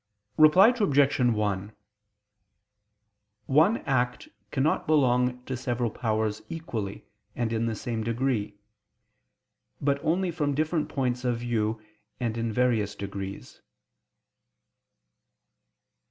Reply Obj. 1: One act cannot belong to several powers equally, and in the same degree; but only from different points of view, and in various degrees.